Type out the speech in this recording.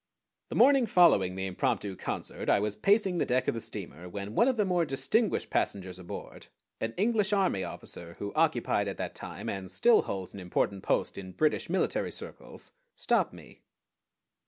The morning following the impromptu concert I was pacing the deck of the steamer when one of the more distinguished passengers aboard, an English army officer, who occupied at that time, and still holds, an important post in British military circles, stopped me.